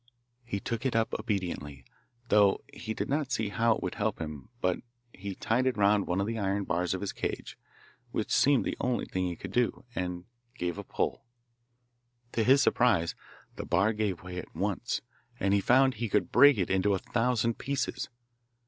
He took it up obediently, though he did not see how it would help him but he tied it round one of the iron bars of his cage, which seemed the only thing he could do, and gave a pull. To his surprise the bar gave way at once, and he found he could break it into a thousand pieces.